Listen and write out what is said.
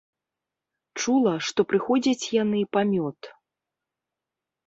Чула, што прыходзяць яны па мёд.